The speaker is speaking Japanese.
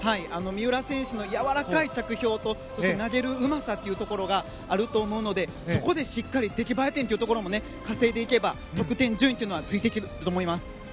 三浦選手のやわらかい着氷とそして投げるうまさというのがあると思うのでそこでしっかり出来栄え点も稼いでいけば得点、順位というのはついてくると思います。